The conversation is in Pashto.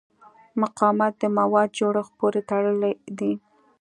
مقاومت د موادو جوړښت پورې تړلی دی.